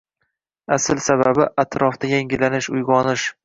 Asl sababi, atrofda yangilanish, uygonish.